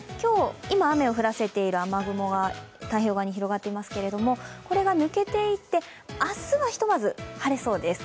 今、雨を降らせている雨雲が太平洋側に広がっていますけれどもこれが抜けていって、明日は、ひとまず晴れそうです。